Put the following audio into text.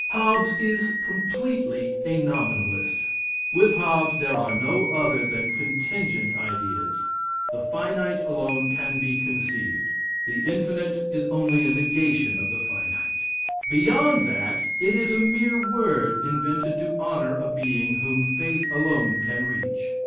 Hobbes is completely a nominalist. With Hobbes there are no other than contingent ideas; the finite alone can be conceived; the infinite is only a negation of the finite; beyond that it is a mere word invented to honor a being whom faith alone can reach.